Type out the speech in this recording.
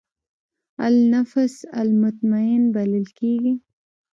النفس المطمئنه بلل کېږي.